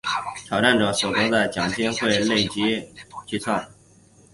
挑战者所得的奖金会累积计算。